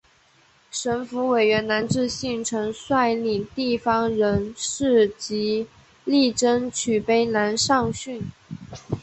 省府委员南志信曾率领地方人士极力争取卑南上圳。